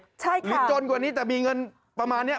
ใช่ค่ะคิดจนกว่านี้แต่มีเงินประมาณนี้